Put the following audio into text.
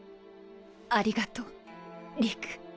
ありがとう理玖。